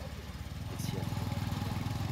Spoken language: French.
Les siennes.